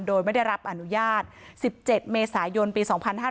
โดยไม่ได้รับอนุญาต๑๗เมษายนปี๒๕๕๙